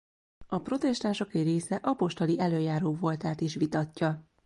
A protestánsok egy része apostoli elöljáró voltát is vitatja.